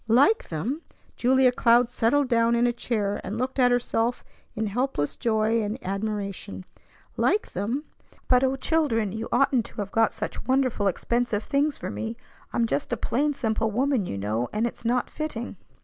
"Like them!" Julia Cloud settled down in a chair, and looked at herself in helpless joy and admiration. Like them! "But O children! You oughtn't to have got such wonderful, expensive things for me. I'm just a plain, simple woman, you know, and it's not fitting."